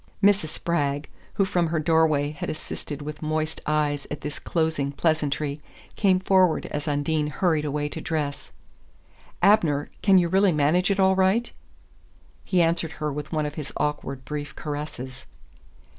Mrs. Spragg, who from her doorway had assisted with moist eyes at this closing pleasantry, came forward as Undine hurried away to dress. "Abner can you really manage it all right?" He answered her with one of his awkward brief caresses.